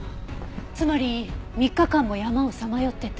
つまり３日間も山をさまよってた。